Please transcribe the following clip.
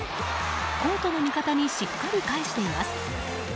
コートの味方にしっかり返しています。